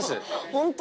ホント？